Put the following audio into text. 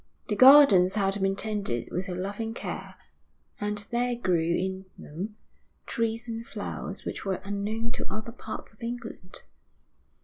The gardens had been tended with a loving care, and there grew in them trees and flowers which were unknown to other parts of England.